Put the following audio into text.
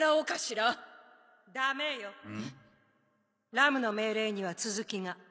ラムの命令には続きが。